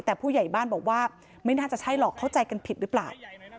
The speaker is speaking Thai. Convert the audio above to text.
แต่ผู้ใหญ่บ้านบอกว่าไม่น่าจะใช่หรอกเข้าใจกันผิดหรือเปล่า